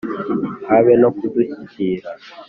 habe no kudushyikira.